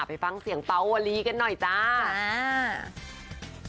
ไปฟังเสียงเป๋าวลีกันหน่อยจ้า